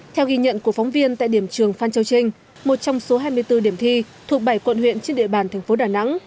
theo ghi nhận của phóng viên tại điểm trường phan châu trinh một trong số hai mươi bốn điểm thi thuộc bảy quận huyện trên địa bàn thành phố đà nẵng